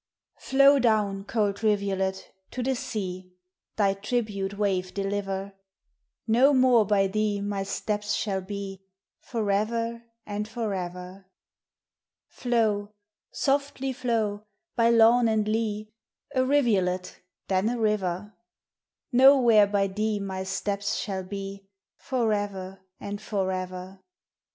Flow down, cold rivulet, to the sea Thy tribute wave deliver: No more by thee my steps shall be, For ever and for ever. Flow, softly flow, by lawn and lea, A rivulet then a river: No where by thee my steps shall be, For ever and for ever.